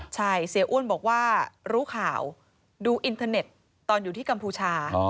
ใช่เสียอ้วนบอกว่ารู้ข่าวดูอินเทอร์เน็ตตอนอยู่ที่กัมพูชา